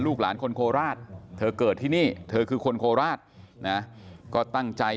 หลานคนโคราชเธอเกิดที่นี่เธอคือคนโคราชนะก็ตั้งใจ